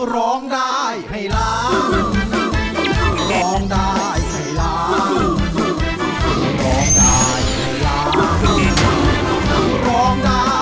ร้องได้ให้ล้าง